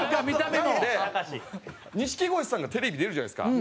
なので錦鯉さんがテレビ出るじゃないですか。